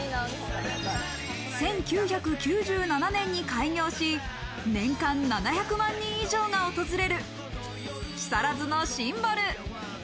１９９７年に開業し、年間７００万人以上が訪れる木更津のシンボル。